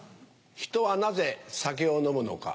人はなぜ酒を飲むのか？